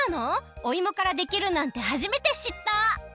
おいもからできるなんてはじめてしった！